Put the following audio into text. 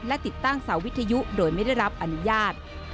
และติดตั้งเสาวิทยุโดยไม่ได้รับอนุญาต